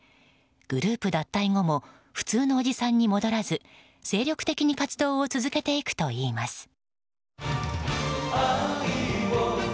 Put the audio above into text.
グループ脱退後も普通のおじさんに戻らず精力的に活動を続けていくといいます。